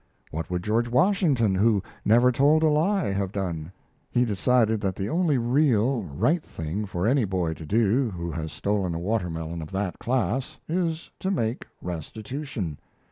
What would George Washington, who never told a lie, have done? He decided that the only real, right thing for any boy to do, who has stolen a water melon of that class, is to make restitution.